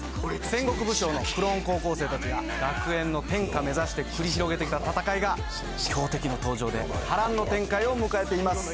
戦国武将のクローン高校生達が学園の天下目指して繰り広げてきた戦いが強敵の登場で波乱の展開を迎えています！